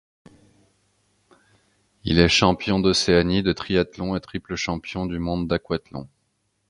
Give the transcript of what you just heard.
Il est champion d'Océanie de triathlon et triple champion du monde d'aquathlon.